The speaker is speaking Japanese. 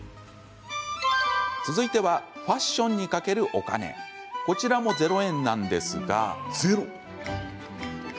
続いてはファッションにかけるお金こちらも０円なんですが。